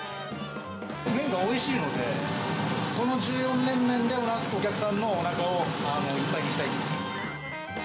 麺がおいしいので、この１４連麺でお客さんのおなかを、いっぱいにしたいです。